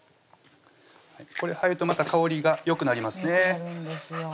これ入るとまた香りがよくなりますね